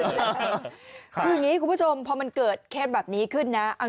คืออย่างนี้คุณผู้ชมพอมันเกิดเคสแบบนี้ขึ้นนะ